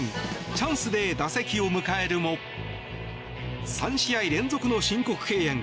チャンスで打席を迎えるも３試合連続の申告敬遠。